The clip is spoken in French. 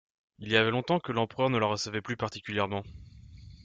Il y avait long-temps que l'empereur ne la recevait plus particulièrement.